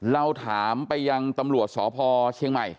เราถามไปยังตำรวจสพเชียงใหม่